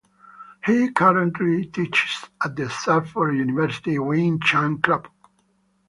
He currently teaches at the Stanford University Wing Chun Club.